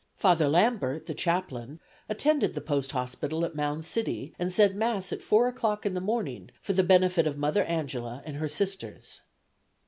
Father Lambert, the chaplain, attended the Post Hospital at Mound City and said Mass at 4 o'clock in the morning for the benefit of Mother Angela and her Sisters.